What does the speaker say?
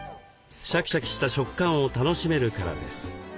シャキシャキした食感を楽しめるからです。